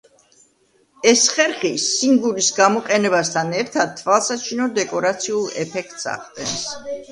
ეს ხერხი, სინგურის გამოყენებასთან ერთად, თვალსაჩინო დეკორაციულ ეფექტს ახდენს.